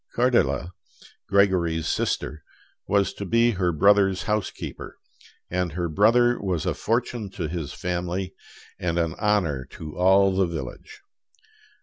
Cordele, Gregory's sister, was to be her brother's housekeeper, and her brother was a fortune to his family and an honor to all the village.